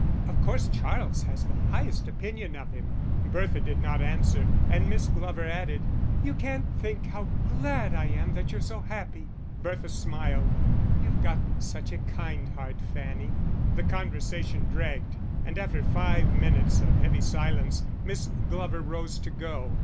Of course Charles has the highest opinion of him." Bertha did not answer, and Miss Glover added, "You can't think how glad I am that you're so happy." Bertha smiled. "You've got such a kind heart, Fanny." The conversation dragged, and after five minutes of heavy silence Miss Glover rose to go.